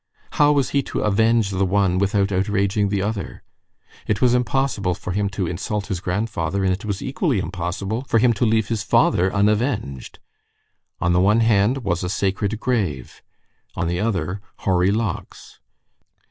How was he to avenge the one without outraging the other? It was impossible for him to insult his grandfather and it was equally impossible for him to leave his father unavenged. On the one hand was a sacred grave, on the other hoary locks.